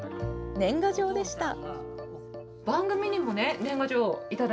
年賀状でした。